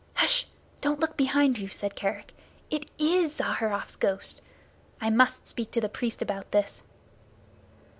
"Hsh! Don't look behind you," said Kerick. "It is Zaharrof's ghost! I must speak to the priest about this."